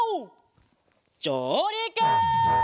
じょうりく！